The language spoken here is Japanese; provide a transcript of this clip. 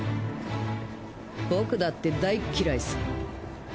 僕だって大っ嫌いさ。